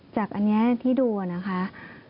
จากอันนี้ที่ดูนะคะ